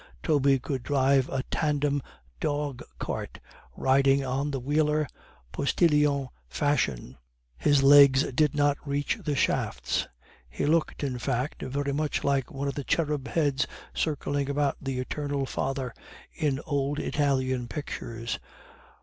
Toby could drive a tandem dog cart, riding on the wheeler, postilion fashion; his legs did not reach the shafts, he looked in fact very much like one of the cherub heads circling about the Eternal Father in old Italian pictures.